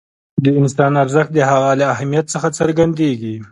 د انسان ارزښت د هغه له اهمیت څخه څرګندېږي.